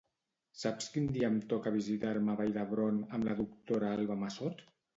Saps quin dia em toca visitar-me a Vall d'Hebron amb la doctora Alba Massot?